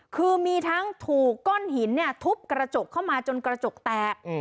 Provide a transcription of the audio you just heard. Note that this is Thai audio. คือมีทั้งถูกก้อนหินทุบกระจกเข้ามาจนกระจกแตก